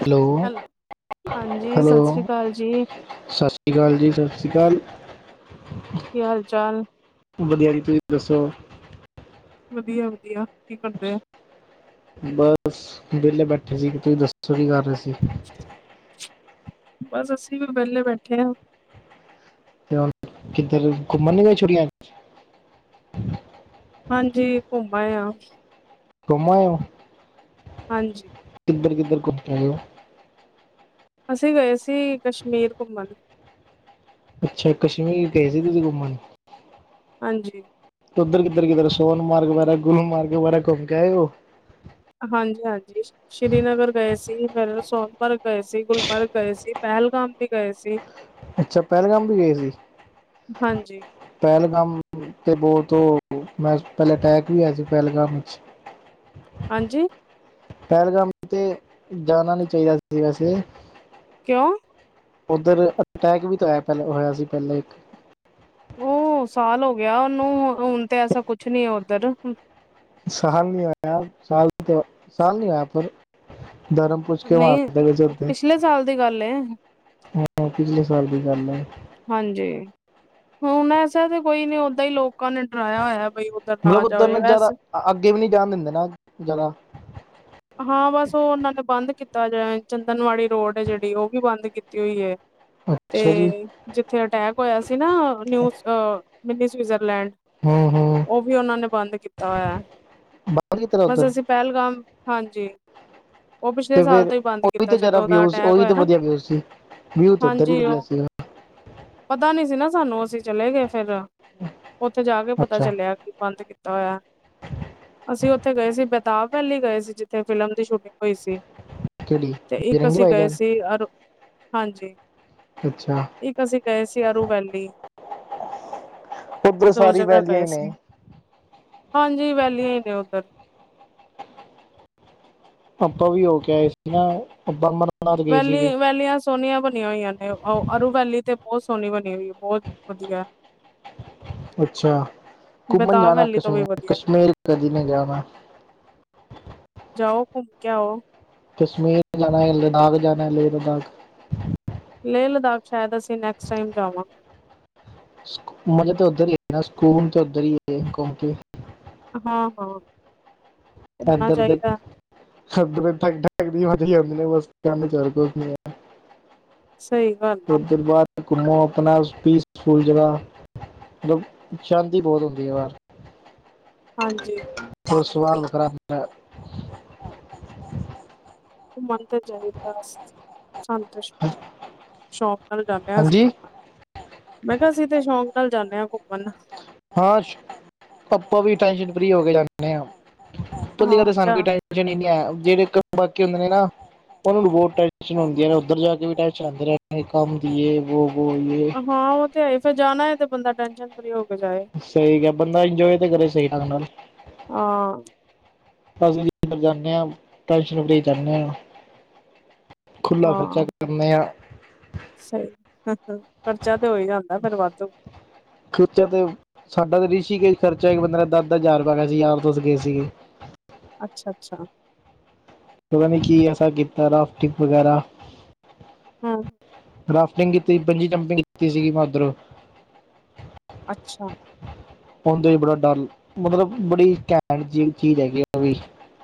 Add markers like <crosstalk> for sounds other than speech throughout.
Hello ਹਾਂਜੀ hello ਸਤਿ ਸ੍ਰੀ ਅਕਾਲ ਜੀ ਸਤਿ ਸ਼੍ਰੀ ਅਕਾਲ ਜੀ। ਸਤਿ ਸ਼੍ਰੀ ਅਕਾਲ ਕੀ ਹਾਲ ਚਾਲ ਵਧੀਆ ਜੀ ਤੁਸੀਂ ਦੱਸੋ ਵਧੀਆ, ਵਧੀਆ ਕੀ ਕਰਦੇ ਆ ਬਸ ਵਿਹਲੇ ਬੈਠੇ ਸੀ ਕਿ ਤੁਸੀਂ ਦੱਸੋ ਕੀ ਕਰ ਰਹੇ ਸੀ <unintelligible> ਬਸ ਅਸੀਂ ਵੀ ਵਿਹਲੇ ਬੈਠੇ ਹਾਂ ਤੇ ਹੁਣ ਕਿੱਧਰ ਘੁੰਮਣ ਨੀ ਗਈ ਛੁਟੀਆਂ ਹਾਂਜੀ। ਘੁੰਮ ਆਏ ਆ ਘੁਮ ਆਏ ਓ ਹਾਂਜੀ। ਕਿੱਧਰ, ਕਿੱਧਰ ਘੁੰਮ ਕੇ ਆਏ ਹੋ ਅਸੀਂ ਗਏ ਸੀ। ਕਸ਼ਮੀਰ ਘੁੰਮਣ। ਅੱਛਾ! ਕਸ਼ਮੀਰ ਗਏ ਸੀ ਤੁਸੀਂ ਘੁੰਮਣ ਹਾਂਜੀ! ਉੱਧਰ ਕਿੱਧਰ-ਕਿਧਰ ਸੋਨਮਾਰਗ ਵਗੈਰਾ ਗੁਲਮਾਰਗ ਵਗੈਰਾ ਘੁੰਮ ਕੇ ਆਏ ਉਹ? ਹਾਂਜੀ - ਹਾਂਜੀ! ਸ੍ਰੀਨਗਰ ਗਏ ਸੀ ਫੇਰ ਸੋਨਮਰਗ ਗਏ ਸੀ ਗੁਲਮਰਗ ਗਏ ਸੀ ਪਹਿਲਗਾਮ ਵੀ ਗਏ ਸੀ ਅੱਛਾ ਪਹਿਲਗਾਮ ਵੀ ਗਏ ਸੀ! ਹਾਂਜੀ ਪਹਿਲਗਾਮ ਬਹੁਤ ਉਹ ਮੈਂ ਪਹਿਲੇ ਅਟੈਕ ਵੀ ਹੋਇਆ ਸੀ ਪਹਿਲਗਾਮ ਵਿੱਚ? ਹਾਂਜੀ! ਪਹਿਲਗਾਮ ਤੇ ਜਾਣਾ ਨੀ ਚਾਹੀਦਾ ਸੀ ਵੈਸੇ! ਕਯੋਂ? ਉੱਧਰ ਅਟੈਕ ਵੀ ਹੋਇਆ ਸੀ ਪਹਿਲਾਂ ਇੱਕ! ਉਹ ਸਾਲ ਹੋ ਗਿਆ ਉਹਨੂੰ ਹੁਣ ਤੇ ਐਸਾ ਕੁਛ ਨੀ ਹੈ ਉੱਧਰ! ਸਾਲ ਨਹੀਂ ਹੋਇਆ ਸਾਲ ਸਾਲ ਨਹੀਂ ਹੋਇਆ ਪਰ ਧਰਮ! ਕੁੱਛ ਕੇ ਮਾਰ ਨਹੀਂ ਗਜ਼ਰ ਤੇ ਪਿਛਲੇ ਸਾਲ ਦੀ ਗੱਲ ਏ ਹਾਂ ਪਿਛਲੇ ਸਾਲ ਦੀ ਗਲ? ਹਾਂਜੀ! ਹੁਣ ਐਸਾ ਤੇ ਕੋਈ ਨੀ ਓਦਾਂ ਹੀ ਲੋਕਾਂ ਨੇ ਡਰਾਇਆ ਹੋਇਆ ਬਈ! ਉੱਧਰ ਮਤਲਬ ਜਾਓ ਉੱਧਰ ਜੇ ਨਾ ਜਿਆਦਾ ਵੈਸੇ ਅੱਗੇ ਵੀ ਨਹੀਂ ਜਾਣ ਦਿੰਦੇ ਨਾ ਜ਼ਿਆਦਾ! ਹਾਂ ਬਸ ਉਹ ਉਹਨਾਂ ਨੇ ਬੰਦ ਕੀਤਾ ਚੰਦਨਵਾੜੀ ਰੋਡ ਹੈ ਜਿਹੜੀ ਉਹ ਵੀ ਬੰਦ ਕੀਤੀ ਹੋਈ ਹੈ! ਤੇ ਅੱਛਾ ਜੀ ਜਿੱਥੇ ਅਟੈਕ ਹੋਇਆ ਸੀ, ਨਾ ਨਿਊ ਮਿੰਨੀ ਸਵਿਜ਼ਰਲੈਂਡ! ਹਮ ਹਮ! ਉਹ ਵੀ ਉਹਨਾਂ ਨੇ ਬੰਦ ਕੀਤਾ ਹੋਇਆ ਬਾਹਰ ਕੀ ਤਰ੍ਹਾਂ ਉੱਧਰ ਬਸ ਅਸੀਂ ਪਹਿਲਗਾਮ ਹਾਂਜੀ! ਉਹ ਪਿਛਲੇ ਤੇ ਸਾਲ ਫਿਰ ਤੋਂ ਹੀ ਬੰਦ ਉਹੀ ਕੀਤਾ ਤੇ ਜ਼ਿਆਦਾ ਜਦੋਂ ਦਾ ਵਿਊ ਅਟੈਕ ਉਹੀ ਹੋਇਆ ਤੇ ਨਾ ਵਧੀਆ ਵਿਊ ਸੀ! ਵਿਊ ਤੇ ਉਧਰ ਹੀ ਹਾਂਜੀ ਵਧੀਆ ਉਹ ਸੀ? ਪਤਾ ਨੀ ਸੀ ਨਾ ਸਾਨੂੰ ਅਸੀਂ ਚਲੇ ਗਏ ਫੇਰ ਉੱਥੇ ਜਾ ਕੇ ਪਤਾ ਅੱਛਾ ਚੱਲਿਆ ਕੀ! ਬੰਦ ਕੀਤਾ ਹੋਇਆ ਅਸੀਂ ਉੱਥੇ ਗਏ ਸੀ ਬੇਤਾਬ ਵੈਲੀ ਗਏ ਸੀ! ਜਿੱਥੇ ਫਿਲਮ ਦੀ ਸ਼ੂਟਿੰਗ ਹੋਈ ਸੀ, ਕਿਹੜੀ ਤੇ ਇੱਕ ਬਿਰੰਗੀ ਅਸੀਂ ਗਏ ਭਾਈਜਾਨ ਸੀ ਅਰ ਹਾਂਜੀ! ਅੱਛਾ! ਇੱਕ ਅਸੀਂ ਗਏ ਸੀ, ਅਰੂ ਵੈਲੀ ਉਧਰ ਦੋ ਸਾਰੀ ਜਗ੍ਹਾ ਵੈਲੀਆਂ ਗਏ ਈ ਨੇ। ਸੀ ਹਾਂਜੀ! ਵੈਲੀਆਂ ਈ ਨੇ ਉੱਧਰ। ਆਪਾਂ ਵੀ ਹੋ ਕੇ ਆਏ ਸੀ ਨਾ ਅੱਧਾ ਮਨ ਵੈਲੀ- ਵੈਲੀਆਂ ਸ ਸੋਹਣੀਆਂ ਬਣੀਆਂ ਹੋਈਆਂ ਨੇ ਉਹ ਅਰੂਵੈਲੀ ਤੇ ਬਹੁਤ ਸੋਹਣੀ ਬਣੀ ਹੋਈ ਹੈ ਬਹੁਤ ਵਧੀਆ। ਅੱਛਾ! ਘੁੰਮਣ ਬੇਤਾਬ ਜਾਨਾ ਵੈਲੀ ਤੋਂ ਵੀ ਕਸ਼ਮੀਰ, ਵਧੀਆ ਕਸ਼ਮੀਰ ਕਦੀ ਨਹੀਂ ਜਾਣਾ। ਜਾਓ ਘੁੰਮ ਕੇ ਆਓ। ਕਸ਼ਮੀਰ ਜਾਣਾ, ਲਦਾਖ ਜਾਣਾ, ਲੇ ਲਦਾਖ। ਲੇਹ ਲਦਾਖ ਸ਼ਾਇਦ ਅਸੀਂ ਨੈਕਸਟ ਟਾਈਮ ਜਾਵਾਂਗੇ। ਮੇਜੇ ਤਾਂ ਇੱਧਰ ਹੀ ਐ ਨਾ ਸਕੂਨ ਤਾਂ ਉੱਧਰ ਈ ਹੈ ਘੁੰਮ ਕੇ। ਹਾਂ ਹਾਂ। ਘੁੰਮਣਾ ਇੱਦਰ ਦੇ, ਚਾਹੀਦਾ ਇਦਰ ਠੱਗ <unintelligible> ਵੱਜ ਹੀ ਆਉਂਦੀ ਨੇ ਬਸ ਕੰਮ ਚਲ ਪੈ ਮੇਰਾ। ਸਹੀ। ਗੱਲ ਫਿਰ ਹੈ ਦਿਨ ਬਾਅਦ ਘੁੰਮੋ ਆਪਣਾ ਪੀਸਫੁਲ ਜਗ੍ਹਾ, ਮਤਲਬ ਚਾਂਦੀ ਬਹੁਤ ਹੁੰਦੀ ਹੈ ਬਾਹਰ। ਹਾਂਜੀ ਤੇ ਸਵਾਲ <unintelligible> ਦੀ ਐ। ਘੁੰਮਣ ਤੇ ਜਾਈਦਾ <unintelligible> ਸਾਨ ਤੇ ਸ਼ੌਕ ਨਾਲ ਜਾਂਦੇ ਆ ਅਸੀ। ਹਾਂਜੀ ਮੈਂ ਕਿਹਾ ਅਸੀਂ ਤੇ ਸ਼ੌਂਕ ਨਾਲ ਜਾਂਦੇ ਹਾਂ ਘੁੰਮਣ। ਹਾਂਸ਼ ਆਪਾਂ ਵੀ ਟੈਸ਼ਨ ਫਰੀ ਹੋ ਕੇ ਜਾਂਦੇ ਆ, ਤੁਸੀ ਹਾਂ ਕਰਦੇ ਸਾਨੂੰ ਜਾ ਕੋਈ ਟੈਨਸ਼ ਛਣੀ ਨੀ ਹੈ, ਜਿਹੜੇ <unintelligible> ਬਾਕੀ ਹੁੰਦੇ ਨੇ ਨਾ ਉਹਨਾਂ ਨੂੰ ਬਹੁਤ ਟੈਸ਼ਨ ਹੁੰਦੀ ਨੇ ਉੱਧਰ ਜਾ ਕੇ ਵੀ ਟੈਸ਼ਨ ਆਉਂਦੀ ਰਹਿ ਕੰਮ ਦੀਏ ਵੋ -ਵੋ ਯੇ। ਹਾਂ ਉਹ ਤੇ ਹੈਏ ਫਿਰ ਜਾਣਾ ਤੇ ਬੰਦਾ ਟੈਸ਼ਨ- ਫਰੀ ਹੋਕੇ ਜਾਏ। ਸਹੀ ਗੱਲ ਏ। ਬੰਦਾ ਇਜੋਏ ਤੇ ਕਰੇ ਸਹੀ ਢੰਗ ਨਾਲ। ਹਾਂ ਅਸੀ ਕਿੱਧਰ ਜਾਦੇ ਹਾਂ, ਟੈਨਸ਼ਨ ਫਰੀ ਜਾਦੇ ਹਾਂ, ਖੁਲਾ ਹਾਂ ਖਰਚਾ- ਕਰਨੇ ਆ। ਸਹੀ, ਹੂੰ ਖਰਚਾ ਤੇ ਹੋ ਜਾਦਾ ਫੇਰ ਵਾਧੂ। ਖਰਚਾ ਤੇ- ਸਾਡਾ ਤਾਂ ਰਿਸੀ ਕੇਸ ਖਰਚਾ ਇੱਕ ਬੰਦੇ ਦਾ ਦਸ -ਦਸ ਹਜਾਰ ਰੁਪਇਆ ਗਿਆ ਸੀ ਯਾਰ ਦੋਸ ਗਏ ਸੀਗੇ। ਅੱਛਾ ਅੱਛਾ। ਪਤਾਨੀ ਕੀ ਐਸਾ ਕੀਤਾ ਰਾਫਟਿੰਗ ਵਗੈਰਾ - ਹੂੰ ਰਾਫਟਿੰਗ ਕੀਤੀ ਪੰਜੀ ਡੰਪਿੰਗ ਕੀਤੀ ਸੀਗੀ ਮੈ ਉਧਰੋ- ਅੱਛਾ- ਆਉਦੇ ਬੜਾ ਡਰ, ਮਤਲਬ ਬੜੀ ਘੈਟ ਦੀ ਚੀਜ ਹੈਗੀ ਆ ਉਹ ਵੀ।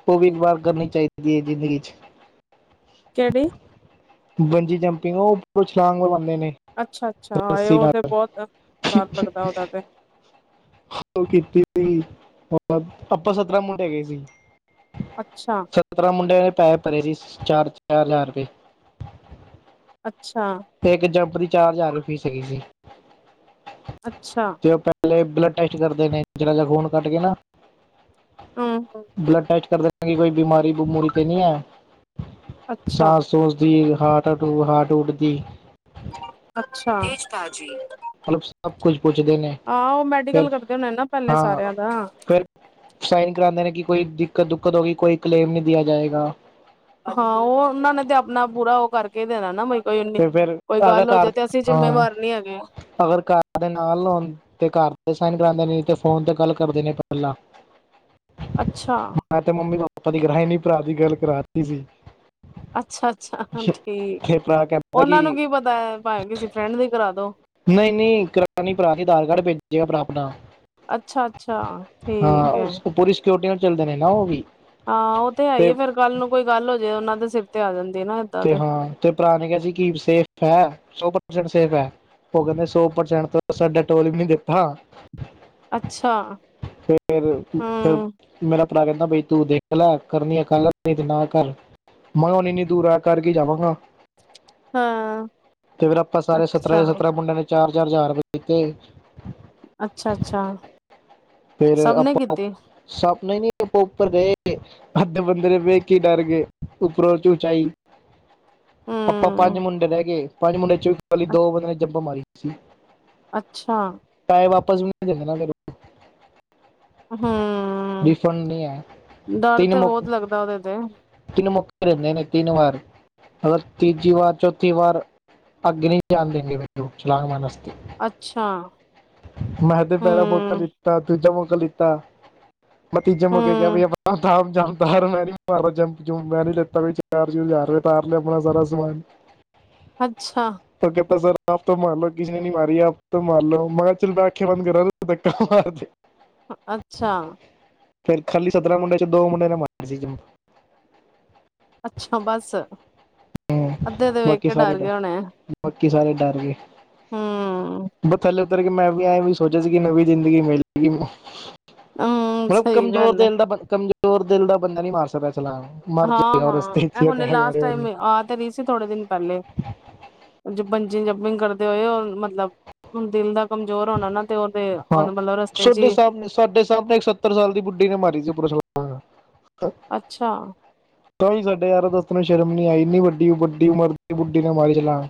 ਉਹ ਵੀ ਇਕ ਵਾਰ ਕਰਨੀ ਚਾਹੀਦੀ ਹੈ। ਜਿੰਦਗੀ 'ਚ- ਕਿਹੜੀ? ਵੰਜੀ ਜੰਪਿਗ ਉਹ ਉਪਰੋ ਛਲਾਗ ਲਗਾਦੇ ਨੇ- ਅੱਛਾ- ਅੱਛਾ ਰੱਸੀ ਉਹ ਤੇ ਨਾਲ ਬਹੁਤ ਡਰ ਲੱਗਦਾ ਉਦਾ ਤੇ- <inaudible> ਉਹ ਕੀਤੀ ਸੀ, ਆਪਾ ਸੱਤਰਾਂ ਮੁੰਡੇ ਗੇ ਸੀ। ਅੱਛਾ। ਸੱਤਰਾਂ ਮੁੰਡਿਆਂ ਨੇ ਪੈਸੇ ਭਰੇ ਸੀ ਚਾਰ -ਚਾਰ ਹਜ਼ਾਰ ਰੁਪਏ। ਅੱਛਾ। ਤੇ ਇਕ ਜੰਪ ਦੀ ਚਾਰ ਹਜਾਰ ਫੀਸ ਹੈਗੀ ਸੀ। ਅੱਛਾ। ਤੇ ਔ ਪੈਲੈ ਬਲੱਡ ਟੈਸਟ ਕਰਦੇ ਨੇ ਜਰਾ ਜਾ ਖੂਨ ਕੱਢ ਕੇ ਨਾ ਅੰ ਹੁੰ। ਬਲੱਡ ਟੈਸਟ ਕਰ ਦੇਨੇ, ਕਿ ਕੋਈ ਬਿਮਾਰੀ-ਬਮੂਰੀ ਤੇ ਨੀਐ। ਅੱਛਾ ਸਾਫ ਸੋਚਦੀ ਹਾਟ ਟੂ ਹਾਟ-ਹੁਟ ਦੀ। ਅੱਛਾ। ਮਤਲਬ ਸਭ ਕੁਝ ਪੁੱਛਦੇ ਨੇ ਆ, ਔ ਮੈਡੀਕਲ ਫਿਰ ਕਰਦੇ ਹੋਣੇ ਨਾ ਪੈਲੇ ਹਾਂ ਸਾਰਿਆਂ ਦਾ। ਫਿਰ ਸਾਈਨ ਕਰਾਂਦੇ ਨੇ ਕਿ ਕੋਈ ਦਿੱਕਤ-ਦੁਕੱਤ ਹੋ ਗਈ, ਕੋਈ ਕਲੇਮ ਨਹੀ ਦੀਆ ਜਾਏਗਾ। ਹਾਂ, ਔ ਔਨਾਂ ਨੇ ਤੇ ਆਪਣਾ ਪੂਰਾ ਉਹ ਕਰਕੇ ਦੇਣਾ ਨਾ, ਬਈ ਕੋਈ ਨੀ, ਤੇ ਫਿਰ ਕੋਈ ਅਗਰ ਗੱਲ ਹੋ ਜੇ, ਘਰ ਤੇ ਅਸੀ ਹਾਂ ਜਿਮੇਵਾਰ ਨੀ ਹੈਗੇ। ਅਗਰ ਕਰ ਦੇ ਨਾਲ ਆ, ਤੇ ਕਰ ਦੇ ਸਾਈਨ ਕਰਾਉਦੇ ਨੇ, ਤੇ ਫੋਨ ਤੇ ਗੱਲ ਕਰਦੇ ਨੇ ਪੈਲਾਂ। <inaudible> ਅੱਛਾ ਮੈ ਤੇ ਮੰਮੀ ਪਾਪਾ ਦੀ ਕਰਾਈ ਨਈਂ ਪਰਾ ਦੀ ਗੱਲ ਕਰਾਤੀ ਸੀ। ਅੱਛਾ-ਅੱਛਾ, ਠੀਕ ਏ ਤੇ ਭਰਾ ਕਹਿੰਦਾ ਕਿ ਔਨਾਂ ਨੂੰ ਕੀ ਪਤਾਏ, ਪਾਏ ਕਿਸੇ ਫਰੈਂਡ ਦੀ ਕਰਾ ਦੋ। ਨਈ-ਨਈ, ਕਰਾਣੀ ਪਰਾ ਨੀ ਆਦਾਰ ਕਾਡ ਪੇਜੇਗਾ ਪਰਾ ਅਪਣਾ। ਅੱਛਾ-ਅੱਛਾ, ਠੀਕੇ। ਜੋਟੀਆਂ ਚੱਲਦੇ ਨੇ ਨਾ ਉਵੀ। ਆਂ, ਓਤੇ ਹੀਏ ਫੇਰ ਕਲ ਨੂੰ ਕੋਈ ਗੱਲ ਹੋਜੇ ਉਨਾ ਦੇ ਸਿਰ ਤੇ ਆ ਜਾਂਦੀ ਏਨਾ। ਤੇ ਹਾਂ, ਤੇ ਪਰਾ ਨੇ ਕੇਯਾ ਸੀ ਕਿ ਸੇਫ ਹੈ, ਸੌ ਪਰਸੈਟ ਸੇਫ ਹੈ? ਓ ਕੈਂਦੇ, ਸੌ ਪ੍ਰਸੈਂਟ ਤੋਂ ਸਾਡਾ ਟੋਲ ਵੀ ਨਈ ਦਿੱਤਾ। ਅੱਛਾ ਫੇਰ, ਫੇਰ ਹੂੰ ਮੇਰਾ ਪਰਾ ਕੈਂਦਾ ਬਈ ਤੂੰ ਦੇਖ ਲੈ ਕਰਨੀ ਆ ਕਰਲੈ ਨਈ ਤੇ ਨਾ ਕਰ, ਮੈਂਹ ਇਨੀ ਦੂਰ ਆ ਕਰਕੇ ਜਾਵਾਂਗਾ, ਹਾਂ ਤੇ ਫੇਰ ਆਪਾ ਸਾਰੇ ਸਤਰਾਂ ਅੱਛਾ। ਦੇ ਸਤਰਾਂ ਮੁੰਡਿਆਂ ਨੇ ਚਾਰ-ਚਾਰ ਹਜਾਰ ਰਪੇ ਦਿੱਤੇ। ਅੱਛਾ-ਅੱਛਾ। ਫੇਰ ਸਭ ਨੇ ਆਪਾਂ ਕੀਤੀ ਸਪਨੇ ਨਈਂ ਉਪਰ ਗਏ। ਅੱਦੇ ਬੰਦੇ ਤੇ ਵੇਖ ਹੀ ਡਰ ਗੇ, ਉੱਪਰੋਂ 'ਚ ਉਚਾਈ। ਆਪਾਂ ਪੰਜ ਹੂੰ ਮੁੰਡੇ ਰਹਿ ਗਏ, ਪੰਜ ਮੁੰਡੇ 'ਚੋਂ ਖਾਲੀ ਦੋ ਬੰਦੇਆਂ ਨੇ ਜੱਪੰਂ ਮਾਰੀ ਸੀ। ਅੱਛਾ। ਟਾਏ ਵਾਪਸ ਵੀ ਦੇਦੇਨਾ ਮੈਂਨੁ। ਹੁੰ, ਰਿਫੰਡ ਨਹੀਂ ਹੈ ਡਰ ਤਿੰਨ ਤੇ ਮੌਕੇ ਬਓਤ ਲੱਗਦਾ ਓਦੇ ਤੇ। ਤਿੰਨ ਮੁੱਕਦੇ ਨੇ ਤਿੰਨ ਵਾਰ। ਅਗਰ ਤੀਜੀ ਵਾਰ ਚੌਥੀ ਵਾਰ ਅਗੇ ਨਈਂ ਜਾਣ ਦੇਨਗੇ ਮੈਨੂੰ ਛਲਾਗ ਮਾਰਨ ਅਸਤੇ ਅੱਛਾ। ਮੈਂ ਤੇ ਪੈਰਾ ਮੌਕਾ ਹੂੰ-ਹੂੰ ਲਿੱਤਾ ਦੂਜਾ ਮੌਕਾ ਲਿੱਤਾ। ਬਾਕੀ ਜੱਮ ਕੇ ਕੇਯਾ <unintelligible> ਬਚਾਓ। ਤਾਰ ਮੈਂ ਨੀ ਮਾਰਦਾ ਜੰਪ-ਜੁੰਪ ਮੈਂ ਨੀ ਲਿੱਤਾ ਕੋਈ ਚਾਰ-ਚੂਰ ਜਾਰ ਤਾਰ ਲਿਆ ਆਪਣਾ ਸਾਰਾ ਸਮਾਨ। <inaudible> ਅੱਛਾ। ਫੇਰ ਕੇਤਾ ਸਰ, ਆਪ ਤੋਂ ਮਾਰ ਲੋਓ ਕਿਸੇ ਨੇ ਨੀ ਮਾਰੀ ਆਪ ਤੋਂ ਮਾਰ ਲੋੋ, ਮੈਹ ਚੱਲ, ਮੈਂ ਅੱਖੀਆਂ ਬੰਦ ਕਰਾਂਗਾ ਤੂੰ ਤੱਕਾ ਮਾਰਦੀ। <unintelligible> ਅੱਛਾ। ਫੇਰ ਖਾਲੀ ਸੱਤਰਾਂ ਮੁੰਡੇ ਚ ਦੋ ਮੁੰਡੇ ਨੇ ਮਾਰ ਸੀ। ਅੱਛਾ ਬਸ ਅੱਧੇ ਵੇਖ ਬਾਕੀ ਕੇ ਸਾਰੇ ਡਰ ਗਿਆ ਹੋਣੇ ਏ। ਬਾਕੀ ਸਾਰੇ ਡਰ ਗਏ, ਹੂੰ ਬ ਥੱਲੇ ਉੱਧਰ ਮੈਂ ਵੀ ਐਂ ਵੀ ਸੋਚਿਆ ਸੀ ਕਿ ਨਵੀਂ ਜ਼ਿੰਦਗੀ ਮਿਲੇਗੀ ਹਮ ਮਤਲਬ ਸਹੀ ਕਮਜ਼ੋਰ ਗੱਲ ਹੈ ਦਿਲ ਦਾ ਬੰਦ, ਕਮਜ਼ੋਰ ਦਿਲ ਦਾ ਬੰਦਾ ਨਈ ਮਾਰ ਸਕਦਾ ਛਲਾਂਗ। ਮਰ ਜਾਏਗਾ ਹਾਂ-ਹਾਂ ਰਸਤੇ ਇਹ ਹੁਣੇ ਲਾਸਟ ਵਿੱਚ ਟਾਈਮ <unintelligible> ਆ ਤੇ ਰਹੀ ਸੀ ਥੋੜੇ ਦਿਨ ਪੈਲੇ ਬੰਜਿੰਗ ਜਬਿੰਗ ਕਰਦੇ ਹੋਏ, ਉਹ ਮਤਲਬ ਹੁਣ ਦਿਲ ਦਾ ਕਮਜ਼ੋਰ ਹੋਣਾ ਨਾ ਤੇ ਓਦੇ ਹਾਂ ਓਨ ਮਤਲਬ ਰਸਤੇ ਚ ਸਾਡੇ ਹੀ ਸਾਹਮਣੇ ਸਾਡੇ ਸਾਹਮਣੇ ਏਕ ਸੱਤਰ ਸਾਲ ਦੀ ਬੁੱਢੀ ਨੇ ਮਾਰੀ ਸੀ ਉਪਰੋਂ ਛਲਾਂਗ। ਅੱਛਾ। ਤਾਂ ਸਾਡੇ ਯਾਰਾਂ ਦੋਸਤਾਂ ਨੂੰ ਸ਼ਰਮ ਨੀ ਆਈ ਇੰਨੀ ਵੱਡੀ-ਵੱਡੀ ਉਮਰ ਦੀ ਬੁੱਢੀ ਨੇ ਮਾਰੀ ਛਲਾਗਂ।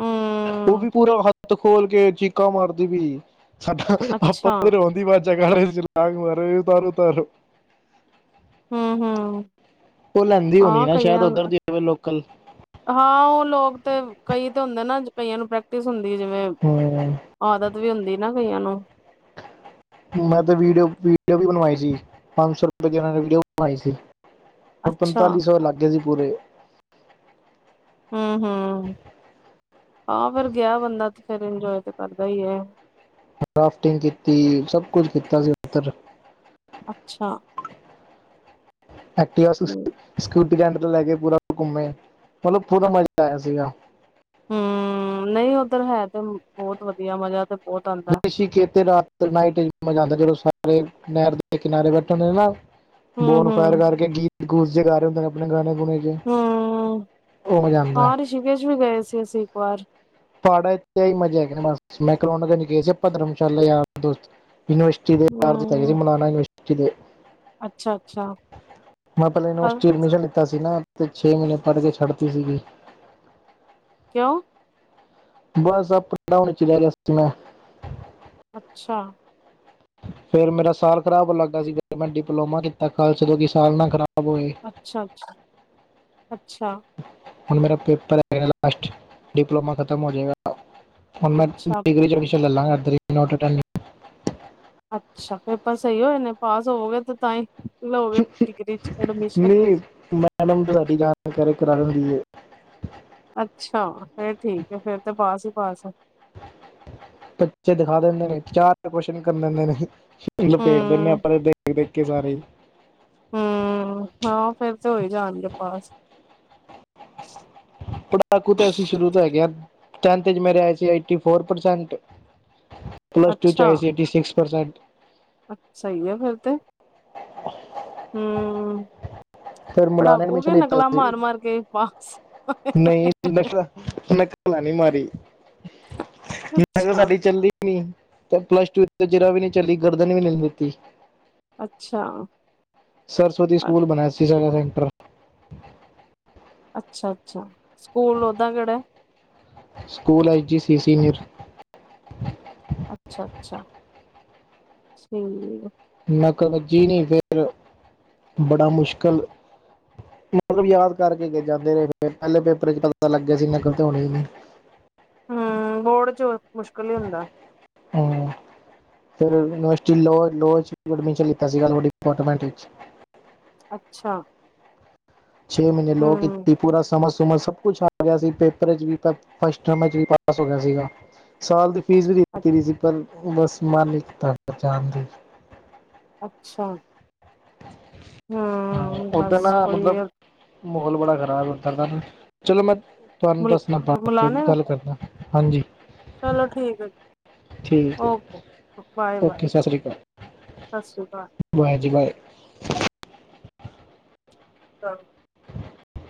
ਹਮ ਓਵੀ ਪੂਰਾ ਹੱਥ ਖੋਲ ਕੇ ਚੀਕਾਂ ਮਾਰਦੀ ਪਈ। ਸਾਡਾ ਆਪਾਂ ਅੱਛਾ ਬਦੀ ਬਾਚਾ ਕਾਲ ਚ ਲਗ ਮਾਰੇ ਓਤਾਰੋ-ਓਤਾਰੋ। ਹੂੰ-ਹੂੰ। ਉਹ ਲੈਂਦੀ ਹੋਣੀ ਨਾ ਸ਼ਾਇਦ ਉੱਧਰ ਦੀ ਹੋਵੇ ਲੋਕਲ ਹਾਂ, ਉਹ ਲੋਕ ਤੇ ਕਈ ਤੇ ਹੁੰਦੇ ਨਾ ਕਈਆਂ ਨੂੰ ਪ੍ਰੈਕਟਿਸ ਹੁੰਦੀ ਜਿਵੇਂ ਹੂੰ ਆਦਤ ਵੀ ਹੁੰਦੀ ਨਾ ਕਈਆਂ ਨੂੰ। ਮੈਂ ਤਾਂ ਵੀਡੀਓ-ਵੀਡੀਓ ਵੀ ਬਣਵਾਈ ਸੀ। ਪੰਜ ਸੌ ਰੁਪਏ ਦੀ ਉਹਨਾਂ ਨੇ ਵੀਡੀਓ ਬਣਵਾਈ ਸੀ। ਅੱਛਾ ਪੰਤਾਲੀ ਸੌ ਲਾਗੇ ਸੀ ਪੂਰੇ। ਹੂੰ-ਹੂੰ, ਹਾਂ ਫਿਰ ਗਿਆ ਬੰਦਾ ਤੇ ਫੇਰ ਇੰਜੋਏ ਤੇ ਕਰਦਾ ਈ ਐ। ਰਾਫਟਿੰਗ ਕੀਤੀ, ਸਭ ਕੁਛ ਕੀਤਾ ਸੀ ਉੱਧਰ। ਅੱਛਾ। ਐਕਟਿਵਾ ਸਕ ਹਮ ਸਕੂਟਰ ਰੈਂਟ ਤੇ ਲੈ ਕੇ ਪੂਰਾ ਘੁੰਮੇ, ਮਤਲਬ ਪੂਰਾ ਮਜ਼ਾ ਆਇਆ ਸੀਗਾ। ਹਮ, ਨਈ ਉੱਧਰ ਹੈ ਤੇ ਬੋਤ ਵਧੀਆ ਮਜ਼ਾ ਤੇ ਬਹੁਤ ਆਉਂਦਾ। ਰਿਸ਼ੀਕੇਤ ਰਾਤ ਨਾਈਟਾ ਮਜ਼ਾ ਆਦਾ, ਜਦੋਂ ਸਾਰੇ ਨੈਰ ਦੇ ਕਿਨਾਰੇ ਬੈਠੇ ਹੁੰਦੇ ਨਾ ਬੋਨ ਫਾਇਰ ਹੂੰ-ਹੂੰ, ਕਰਕੇ ਗੀਤ ਗੂਤ ਜਗਾ ਰਹੇ ਹੁੰਦੇ ਨੇ ਆਪਣੇ ਗਾਣੇ ਗੁਣੇ। ਹੂੰ ਹੂੰ, ਹੋ ਜਾਂਦਾ ਏ। ਹਾਂ ਰਿਸ਼ੀਕੇਸ਼ ਵੀ ਗਏ ਸੀ ਅਸੀਂ ਏਕ ਬਾਰ। ਪਾੜਚ ਏਹੀ ਮਜ਼ਾ ਹੈਗਾ ਬਸ ਮੈਕਡੋਰਗੰਜ ਗਏ ਸੀ ਆਪਾਂ ਧਰਮਸ਼ਾਲਾ ਯਾਰ ਦੋਸਤ <unintelligible> <inaudible> ਹੂੰ ਅੱਛਾ-ਅੱਛਾ ਮੈਂ ਪੈਲਾਂ ਯੂਨੀਵਰਸਿਟੀ ਐਡਮਿਸ਼ਨ ਲਿੱਤਾ ਸੀ ਨਾ ਤੇ ਛੇ ਮਹੀਨੇ ਪੜ੍ਹ ਕੇ ਛੱਡਤੀ ਸੀਗੀ। ਕਿਉਂ? ਬਸ ਅਪ ਡਾਊਨ ਵਿੱਚ ਰੇਹ ਰਿਹਾ ਸੀ ਮੈਂ ਅੱਛਾ। ਫੇਰ ਮੇਰਾ ਸਾਲ ਖਰਾਬ ਹੋਣ ਲੱਗਾ ਸੀ ਫੇਰ ਮੈਂ ਡਿਪਲੋਮਾ ਕੀਤਾ ਕਿਉਂਕਿ ਸਾਲ ਨਾ ਖਰਾਬ ਹੋਏ। ਅੱਛਾ-ਅੱਛਾ, ਅੱਛਾ। ਹੁਣ ਮੇਰਾ ਪੇਪਰ ਹੈਗਾ ਲਾਸਟ, ਡਿਪਲੋਮਾ ਖਤਮ ਹੋ ਜੇਗਾ। ਹੁਣ ਮੈਂ ਅੱਛਾ ਡਿਗਰੀ ਚ ਐਡਮਿਸ਼ਨ ਲੈ ਲਾਗਾ <unintelligible> ਅੱਛਾ, ਪੇਪਰ ਸਹੀ ਹੋਏ ਨੇ ਪਾਸ ਹੋਵਗੇ ਤੇ ਤਾਂ ਹੀ ਲਓਗੇ ਡਿਗਰੀ ਚ ਐਡਮਿਸ਼ਨ। ਨਹੀਂ ਮੈਡਮ ਤਾਂ ਸਾਡੀ <unintelligible> ਕਰਾਂ ਦਿੰਦੀ ਏ। ਅੱਛਾ ਫੇਰ ਠੀਕ ਏ ਫੇਰ ਤੇ ਪਾਸ ਹੀ ਪਾਸ ਏ। ਬੱਚੇ ਦਿਖਾ ਦਿੰਦੇ ਨੇ ਚਾਰ ਤਾਂ ਕੋਐਚਨ ਕਰਨੇ ਹੁੰਦੇ ਨੇ। ਲਪੇਟ ਦਿੰਦੇ ਆ ਹੂੰ-ਹੂੰ ਆਪਾਂ ਤੇ ਦੇਖ-ਦੇਖ ਕੇ ਸਾਰੇ ਈ। ਹੂੰ ਹਾਂ ਫੇਰ ਤੇ ਹੋਈ ਜਾਣਗੇ ਪਾਸ। ਪੜਾਕੂ ਤੇ ਅਸੀ ਸ਼ੁਰੂ ਤੋਂ ਹੈਗੇ ਆ ਟੈਨਥ ਚ ਮੇਰੇ ਆਏ ਸੀ eighty four percent. Plus two ਚ ਆਈ ਸੀ ਏਟੀ ਸਿਕਸ ਪਰਸੈਂਟ। ਅੱਛਾ ਸਹੀ ਆ ਫੇਰ ਤੇ। ਹੂੰ। ਫਿਰ ਮੁਲਾਨ ਪੜਾਕੂ ਵੀ ਐਡਮਿਸ਼ਨ ਲਿੱਤਾ ਨਕਲਾਂ ਸੀ ਮਾਰ ਮਾਰ ਕੇ ਪਾਸ ਹੋਏ। ਉਹ ਮੈਂ ਨਕਲਾਂ ਨੀ ਮਾਰੀ ਨਕਲ ਅੱਛਾ, ਸਾਡੀ ਚੱਲੀ ਨੀ ਤੇ ਪਲੱਸ ਟੂ ਚ ਤਾਂ ਜ਼ਰਾ ਵੀ ਨੀ ਚੱਲੀ ਗਰਦਨ ਵੀ ਨੀ ਹਿਲਨ ਦਿੱਤੀ। ਅੱਛਾ। ਸਰਸਵਤੀ ਸਕੂਲ ਬਣਾਇਆ ਸੀ ਸਾਰਾ ਦਿਨ। ਅੱਛਾ, ਅੱਛਾ ਸਕੂਲ ਉਦਾਂ ਕਿਹੜੇ? ਸਕੂਲ ਐਈ ਜੀ ਸੀ ਸੀਨੀਅਰ। ਅੱਛਾ ਅੱਛਾ, ਸਹੀ ਏ। ਨਕਲ ਵੱਜੀ ਨਹੀਂ ਫੇਰ ਬੜਾ ਮੁਸ਼ਕਿਲ ਮਤਲਬ ਯਾਦ ਕਰਕੇ ਜਾਂਦੇ ਰਹੇ ਪਹਿਲੇ ਪੇਪਰ ਚ ਪਤਾ ਲੱਗਿਆ ਸੀ ਨਕਲ ਤੇ ਹੋਣੀ ਨਹੀਂ। ਹੂੰ ਬੋਰਡ ਚ ਮੁਸ਼ਕਿਲ ਹੀ ਹੁੰਦਾ। ਹੂੰ। ਫੇਰ ਯੂਨੀਵਰਸਿਟੀ ਲੋਅ ਲੋਅ ਵਿੱਚ ਐਡਮਿਸ਼ਨ ਲਿੱਤਾ ਸੀ ਲੋਅ ਡੀਪਾਰਟਮੈਂਟ ਵਿੱਚ। ਅੱਛਾ। ਛੇ ਮਹੀਨੇ ਲੋਅ ਹੂੰ ਕੀਤੀ ਪੂਰਾ ਸਮਝ ਸੂਮਝ ਸਭ ਕੁਛ ਛੱਡ ਆਇਆ ਸੀ ਪੇਪਰ ਵਿੱਚ ਵੀ ਮੈਂ ਫਸਟ ਨੰਬਰ ਵਿਚ ਪਾਸ ਹੋ ਗਿਆ ਸੀਗਾ ਸਾਲ ਦੀ ਫੀਸ ਵੀ ਅ- ਦਿੱਤੀ ਗਈ ਸੀ ਭਰਨ ਨੂਂ ਉਹ ਬਸ ਮਨ ਨੀ ਕੀਤਾ ਜਾਣ ਤੇ। ਅੱਛਾ। ਹਾਂ ਹੂੰ ਓਦਾ ਬਸ ਨਾ ਕੋਈ ਮਤਲਬ ਮਾਹੌਲ ਬੜਾ ਖਰਾਬ ਏ ਉਧਰ ਦਾ ਚਲੋ ਮੈਂ ਤੁਹਾਨੂੰ ਦੱਸਣਾ ਬਾਅਦ ਚ ਮੁਲਾਣੇ ਗੱਲ ਕਰਦਾ। ਹਾਂਜੀ। ਚਲੋ ਠੀਕ ਐ ਠੀਕ ਹੈ ਓਕੇ ਬਾਏ। ਓਕੇ ਸਤਿ ਸ਼੍ਰੀ ਅਕਾਲ। ਸਤਿ ਸ੍ਰੀ ਅਕਾਲ। ਬਾਏ ਜੀ ਬਾਏ। <unintelligible> <inaudible>